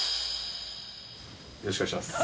よろしくお願いします。